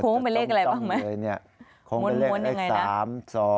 ข้อมูลเป็นเลขอะไรบ้างไหม